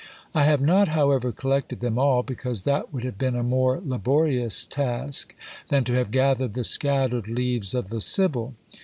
I have not, however, collected them all, because that would have been a more laborious task than to have gathered the scattered leaves of the Sibyl.